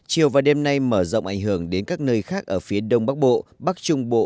chiều và đêm nay mở rộng ảnh hưởng đến các nơi khác ở phía đông bắc bộ bắc trung bộ